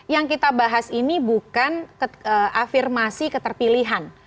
yang kita bahas ini bukan afirmasi keterpilihan